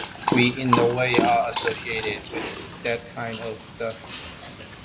We, in no way, are associated with that kind of stuff.